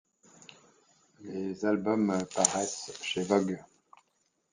Les albums paraissent chez Vogue.